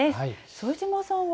副島さんは？